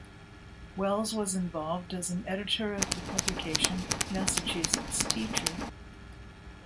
Wells was involved as an editor of the publication "Massachusetts Teacher".